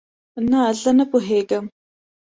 نه، زه نه پوهیږم